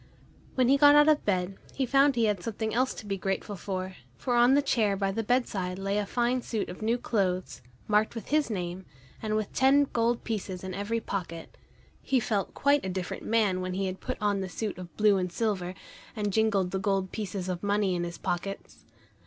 When he got out of bed he found he had something else to be grateful for, for on the chair by the bedside lay a fine suit of new clothes, marked with his name, and with ten gold pieces in every pocket. He felt quite a different man when he had put on the suit of blue and silver, and jingled the gold pieces of money in his pockets.